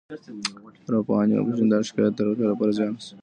ارواپيژان وايي شکایت د روغتیا لپاره زیان لري.